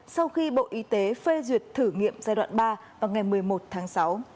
sau khi bộ y tế phê duyệt thử nghiệm giai đoạn ba vào ngày một mươi một tháng sáu